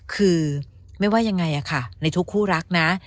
คือไม่ว่ายังไงค่ะในทุกคู่รักนะ